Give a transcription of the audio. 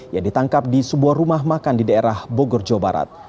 yang ditangkap di sebuah rumah makan di daerah bogor jawa barat